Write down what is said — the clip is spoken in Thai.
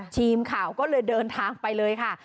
ทีมข่าวก็เลยเดินทางไปเลยค่ะ